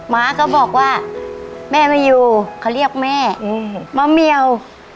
ม้าก็บอกว่าแม่ไม่อยู่เขาเรียกแม่มะเมียว